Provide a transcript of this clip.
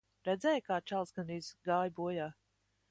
Redzēji, kā čalis gandrīz gāja bojā.